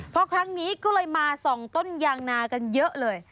เพราะครั้งนี้ก็เลยมาส่องต้นยางนากันเยอะเลย